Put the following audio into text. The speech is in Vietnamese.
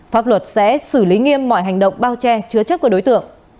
pháp luật sẽ xử lý nghiêm mọi hành động bao che chứa chấp của đối tượng